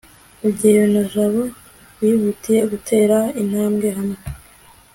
rugeyo na jabo bihutiye gutera intambwe hamwe